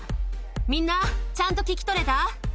みんな、ちゃんと聞き取れた？